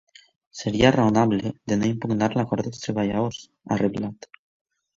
Seria raonable de no impugnar l’acord dels treballadors, ha reblat.